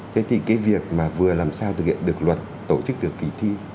thế thì cái việc mà vừa làm sao thực hiện được luật tổ chức được kỳ thi